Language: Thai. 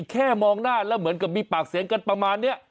แค่มองหน้าแล้วเหมือนกับมีปากเสียงกันประมาณนี้